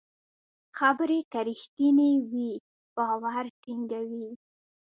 خبرې که رښتینې وي، باور ټینګوي.